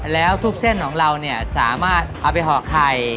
แล้วทุกเส้นของเราเนี่ยสามารถเอาไปห่อไข่